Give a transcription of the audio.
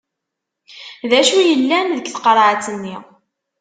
D acu yellan deg tqerεet-nni?